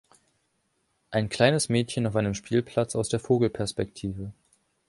ein kleines Mädchen auf einem Spielplatz aus der Vogelperspektive